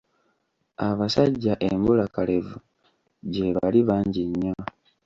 Abasajja embulakalevu gye bali bangi nnyo.